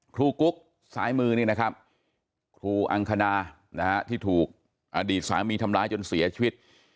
กุ๊กซ้ายมือนี่นะครับครูอังคณาที่ถูกอดีตสามีทำร้ายจนเสียชีวิต